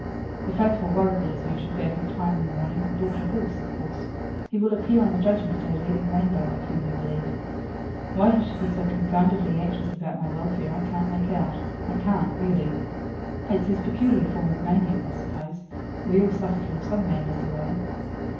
'The faithful Warrigal, as usual, gave me timely warning, and brought a horse, of course. He will appear on the Judgment Day leading Rainbow, I firmly believe. Why he should be so confoundedly anxious about my welfare I can't make out I can't, really. It's his peculiar form of mania, I suppose. We all suffer from some madness or other.'